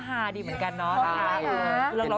ไม่ป็นไหล